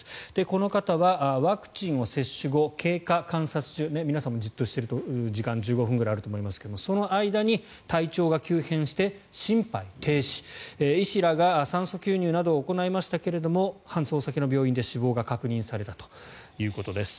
この方はワクチンを接種後経過観察中皆さんもじっとしてる時間が１５分くらいあると思いますがその間に体調が急変して心肺停止医師らが酸素吸入などを行いましたが搬送先の病院で死亡が確認されたということです。